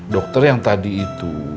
dokter yang tadi itu